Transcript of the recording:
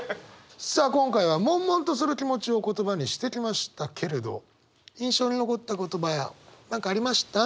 さあ今回は悶悶とする気持ちを言葉にしてきましたけれど印象に残った言葉や何かありました？